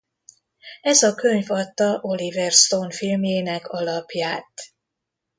Ez a könyv adta Oliver Stone filmjének alapját.